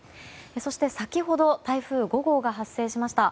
そして、先ほど台風５号が発生しました。